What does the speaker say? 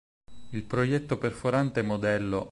Il proietto perforante Mod.